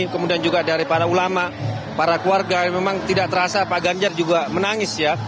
kemudian juga dari para ulama para keluarga memang tidak terasa pak ganjar juga menangis ya